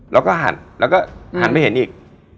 แล้วก็หันแล้วก็หันไปเห็นอีก